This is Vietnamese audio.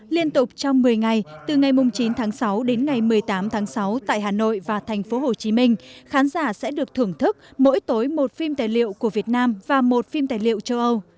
liên tục trong một mươi ngày từ ngày chín tháng sáu đến ngày một mươi tám tháng sáu tại hà nội và thành phố hồ chí minh khán giả sẽ được thưởng thức mỗi tối một phim tài liệu của việt nam và một phim tài liệu châu âu